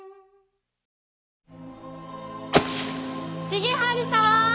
重治さん！